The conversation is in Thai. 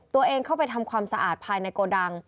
ตัวเองเข้าไปทำความสะอาดภายในโกดัง